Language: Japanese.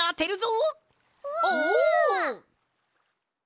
お！